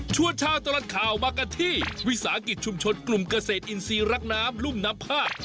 ชาวตลอดข่าวมากันที่วิสาหกิจชุมชนกลุ่มเกษตรอินทรีย์รักน้ำรุ่มน้ำพาด